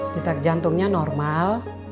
ditak jantungnya normal